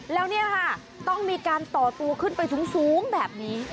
แล้วเนี่ยค่ะต้องมีการต่อตัวขึ้นไปสูงแบบนี้